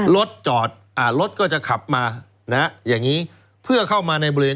รถจอดอ่ารถก็จะขับมานะฮะอย่างนี้เพื่อเข้ามาในบริเวณ